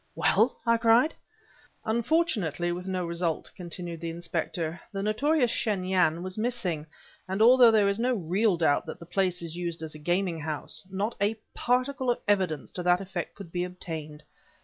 "Well?" I cried. "Unfortunately with no result," continued the inspector. "The notorious Shen Yan was missing, and although there is no real doubt that the place is used as a gaming house, not a particle of evidence to that effect could be obtained.